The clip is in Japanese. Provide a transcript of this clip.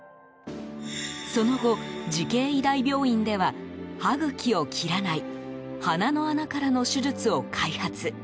その後、慈恵医大病院では歯茎を切らない鼻の穴からの手術を開発。